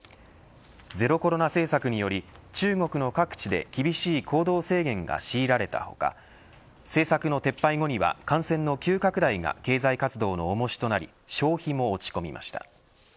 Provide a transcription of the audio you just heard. ゼロコロナ政策により中国の各地で、厳しい行動制限が強いられた他政策の撤廃後には感染の急拡大が経済活動の重しとなり消費も落ち込みました。